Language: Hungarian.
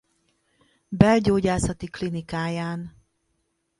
Belgyógyászati Klinikáján.